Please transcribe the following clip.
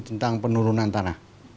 tentang penurunan tanah